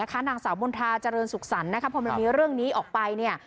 ทางสาวบนทราเจริญศุกรรมพอมีเรื่องนี้ออกไป